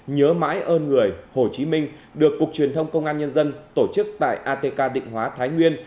nhớ mãi ơn người hồ chí minh được cục truyền thông công an nhân dân tổ chức tại atk định hóa thái nguyên